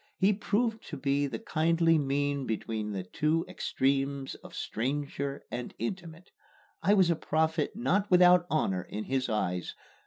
He proved to be the kindly mean between the two extremes of stranger and intimate. I was a prophet not without honor in his eyes.